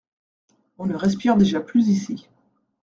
On ne respire déjà plus ici.